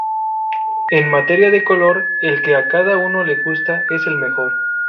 En materia de color, el que a cada uno le gusta es el mejor